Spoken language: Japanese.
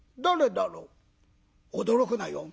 「驚くなよ。